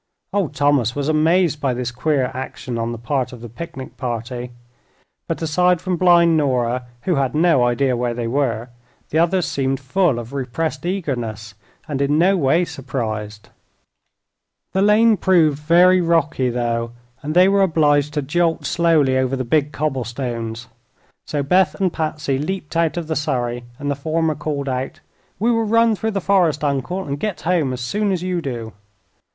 Old Thomas was amazed by this queer action on the part of the picnic party, but aside from blind Nora, who had no idea where they were, the others seemed full of repressed eagerness, and in no way surprised. The lane proved very rocky though, and they were obliged to jolt slowly over the big cobble stones. So Beth and Patsy leaped out of the surrey and the former called out: "We will run through the forest, Uncle, and get home as soon as you do."